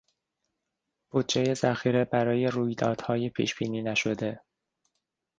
بودجهی ذخیره برای رویدادهای پیشبینی نشده